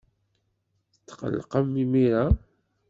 Tetqellqemt imir-a?